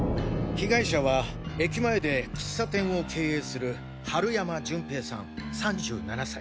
被害者は駅前で喫茶店を経営する春山淳兵さん３７歳。